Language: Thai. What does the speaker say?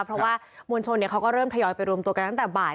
เพราะว่ามวลชนเขาก็เริ่มทยอยไปรวมตัวกันตั้งแต่บ่าย